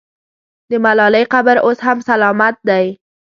د ملالۍ قبر اوس هم سلامت دی.